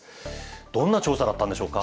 どんな調査だったんでしょうか。